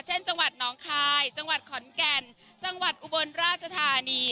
จังหวัดน้องคายจังหวัดขอนแก่นจังหวัดอุบลราชธานี